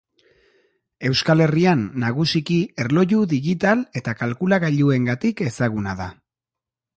Euskal Herrian nagusiki erloju digital eta kalkulagailuengatik ezaguna da.